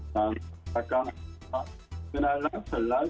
dan mengatakan mengenal salal dua ribu dua puluh